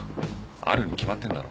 あるに決まってんだろ。